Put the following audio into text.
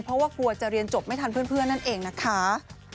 เพราะว่ากลัวจะเรียนจบไม่ทันเพื่อนนั่นเองนะคะ